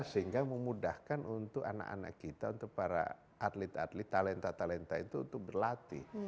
sehingga memudahkan untuk anak anak kita untuk para atlet atlet talenta talenta itu untuk berlatih